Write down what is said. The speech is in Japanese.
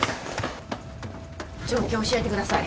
状況を教えてください。